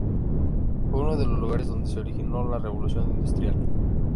Fue uno de los lugares donde se originó la Revolución industrial.